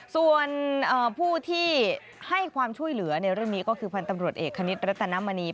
ส่วนผู้ที่ให้ความช่วยเหลือในเรื่องนี้ก็คือพันธ์ตำรวจเอกคณิตรัตนมณี